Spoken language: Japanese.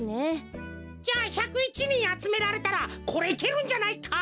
じゃ１０１にんあつめられたらこれいけるんじゃないか？